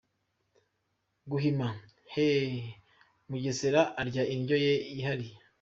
Gahima : Heee ! Mugesera arya indyo ye yihariye.